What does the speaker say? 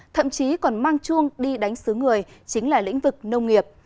thậm chí còn mang chuông đi đánh xứ người chính là lĩnh vực nông nghiệp